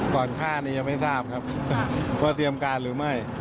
ก่อนฆ่าเนี่ยยังไม่ทราบครับว่าเตรียมการหรือไม่